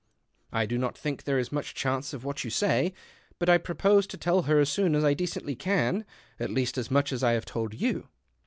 " I do not think there is much chance of what you say. But I propose to tell her as soon as I decently can, at least as much as I have told you."